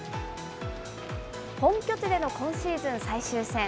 本拠地での今シーズン最終戦。